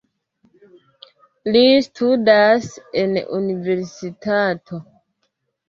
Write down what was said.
Li studas en universitato.